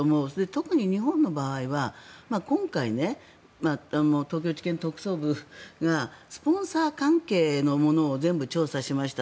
特に日本の場合は今回、東京地検特捜部がスポンサー関係のものを全部調査しました。